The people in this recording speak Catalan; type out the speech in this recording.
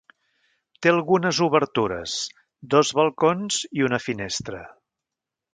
Té algunes obertures: dos balcons i una finestra.